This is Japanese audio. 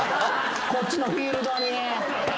こっちのフィールドに。